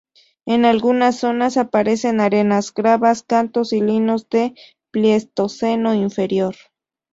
En algunas zonas aparecen arenas, gravas cantos y limos del Pleistoceno Inferior.